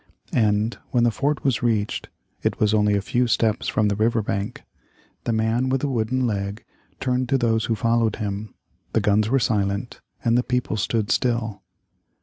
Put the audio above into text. And when the fort was reached (it was only a few steps from the river bank) the man with the wooden leg turned to those who followed him. The guns were silent, and the people stood still.